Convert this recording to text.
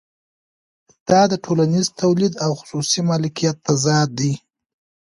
دا د ټولنیز تولید او خصوصي مالکیت تضاد دی